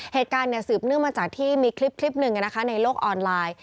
เหตุการณ์สืบเนื่องมาจากที่มีคลิปหนึ่งในโลกออนไลน์